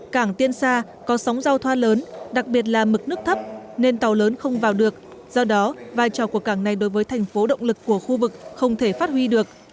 cảng tiên sa có sóng giao thoa lớn đặc biệt là mực nước thấp nên tàu lớn không vào được do đó vai trò của cảng này đối với thành phố động lực của khu vực không thể phát huy được